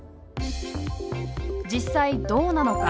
実際どうなのか？